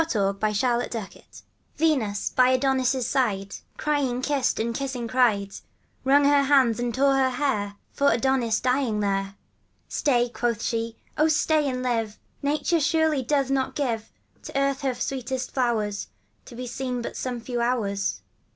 VENUS, BY ADONIS' SIDE VENUS, by Adonis' side, Crying kissed, and kissing cried, Wrung her hands and tore her hair, For Adonis dying there. * Stay,' quoth she, ' Oh, stay and live! Nature, surely, doth not givo To the earth her sweetest flowers, To be seen but some few hours.'